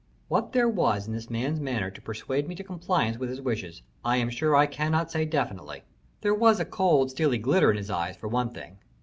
What there was in the man's manner to persuade me to compliance with his wishes, I am sure I cannot say definitely. There was a cold, steely glitter in his eye, for one thing.